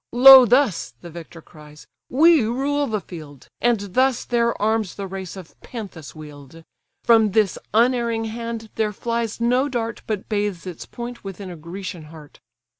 "Lo thus (the victor cries) we rule the field, And thus their arms the race of Panthus wield: From this unerring hand there flies no dart But bathes its point within a Grecian heart.